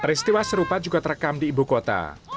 peristiwa serupa juga terekam di ibukota